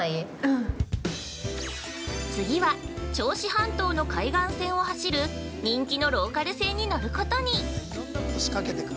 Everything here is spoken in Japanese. ◆次は、銚子半島の海岸線を走る人気のローカル線に乗ることに。